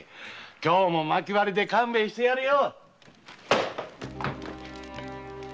今日もマキ割りで勘弁してやるよ。